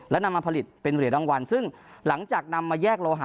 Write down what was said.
และนำมาผลิตเป็นเหรียญรางวัลซึ่งหลังจากนำมาแยกโลหะ